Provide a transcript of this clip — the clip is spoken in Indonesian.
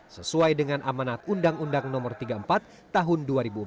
sesuai dengan amanat undang undang no tiga puluh empat tahun dua ribu empat belas